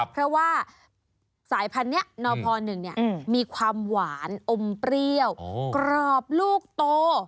เพราะว่าสายพันธุ์นี้นพ๑มีความหวานอมเปรี้ยวกรอบลูกโต